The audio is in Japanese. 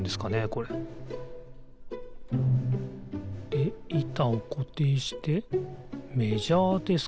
これいたをこていしてメジャーですかね？